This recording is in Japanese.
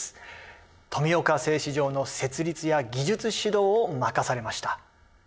富岡製糸場の設立や技術指導を任されました。